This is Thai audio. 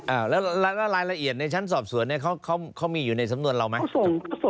อ่าแล้วรายละเอียดในชั้นสอบสวนเนี่ยเขามีอยู่ในสำนวนเราไหม